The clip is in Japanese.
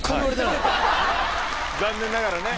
残念ながらね。